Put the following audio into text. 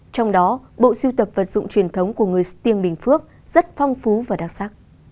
trong đó bộ sưu tập vận dụng truyền thống của người sư tiêng bình phước rất phong phú và đặc sắc